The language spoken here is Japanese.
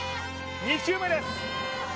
２球目です